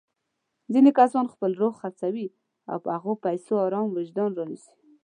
ځيني کسان خپل روح خرڅوي او په هغو پيسو ارام وجدان رانيسي.